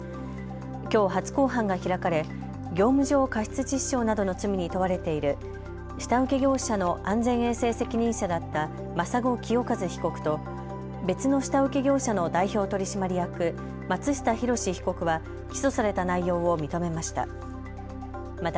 きょう初公判が開かれ業務上過失致死傷などの罪に問われている下請け業者の安全衛生責任者だった眞砂清一被告と別の下請け業者の代表取締役松下弘被告は起訴された内容を認めました。